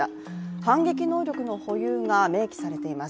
反撃能力の保有が明記されています。